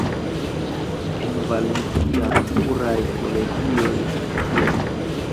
En Valencia pluraj kolegioj funkcias.